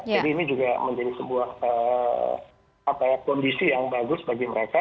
jadi ini juga menjadi sebuah kondisi yang bagus bagi mereka